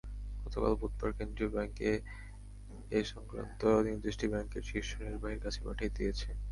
গতকাল বুধবার কেন্দ্রীয় ব্যাংক এ-সংক্রান্ত নির্দেশটি ব্যাংকের শীর্ষ নির্বাহীর কাছে পাঠিয়ে দিয়েছে।